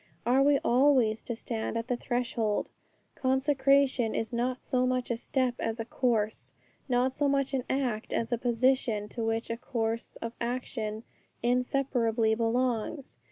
are we always to stand at the threshold? Consecration is not so much a step as a course; not so much an act, as a position to which a course of action inseparably belongs.